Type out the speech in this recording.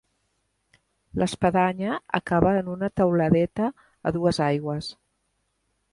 L'espadanya acaba en una teuladeta a dues aigües.